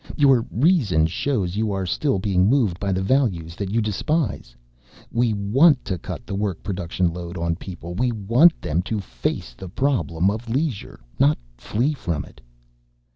Your reason shows you are still being moved by the values that you despise. We want to cut the work production load on people. We want them to face the problem of leisure, not flee it."